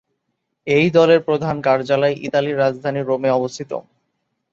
এই দলের প্রধান কার্যালয় ইতালির রাজধানী রোমে অবস্থিত।